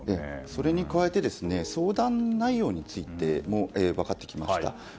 それに加えて相談内容についても分かってきました。